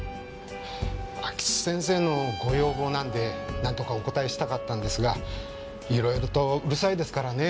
安芸津先生のご要望なんでなんとかお応えしたかったんですが色々とうるさいですからね